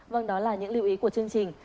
vâng đó là những lưu ý của chương trình